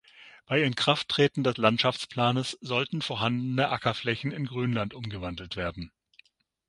Bei Inkrafttreten des Landschaftsplanes sollten vorhandene Ackerflächen in Grünland umgewandelt werden.